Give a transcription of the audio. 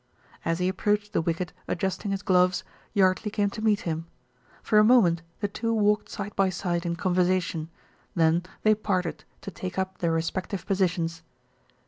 As he approached the wicket adjusting his gloves, Yardley came to meet him. For a moment the two walked side by side in conversation, then they parted to take up their respective positions.